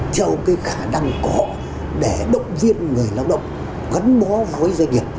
cho cái khả năng của họ để động viên người lao động gắn bó với doanh nghiệp